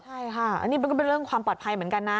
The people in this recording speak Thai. ใช่ค่ะอันนี้มันก็เป็นเรื่องความปลอดภัยเหมือนกันนะ